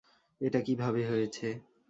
এটা কিভাবে হয়েছে?